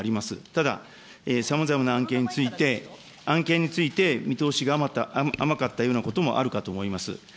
ただ、さまざまな案件について、案件について見通しが甘かったようなこともあるかと思います。